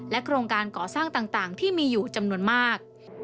โครงการก่อสร้างต่างที่มีอยู่จำนวนมาก